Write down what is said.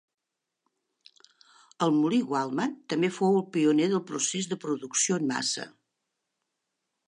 El molí Waltham també fou el pioner del procés de producció en massa.